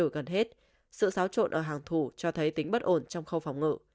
cho thấy tính bất ổn trong khâu phòng ngự